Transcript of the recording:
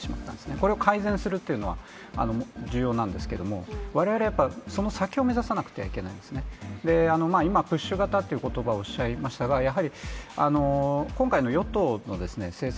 これを改善するっていうのは重要なんですけど我々、その先を目指さなくてはいけないんですね。今、プッシュ型という言葉をおっしゃいましたが、今回の与党の政策